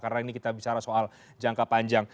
karena ini kita bicara soal jangka panjang